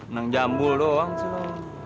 nang jambul doang sih lo